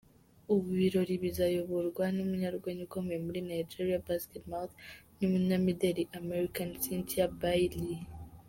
Ibirori bizayoborwa n’umunyarwenya ukomeye muri Nigeria Basket Mouth n’umunyamideli American Cynthia Bailey.